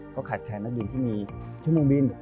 ก็ขาดแคลนนักบินที่มีชั่วโมงบิน